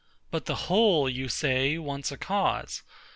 But the whole, you say, wants a cause.